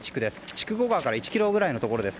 筑後川から１ｋｍくらいのところです。